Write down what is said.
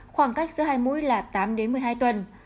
khoảng cách giữa hai mũi là tám đến một mươi hai tuần